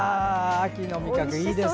秋の味覚、いいですね！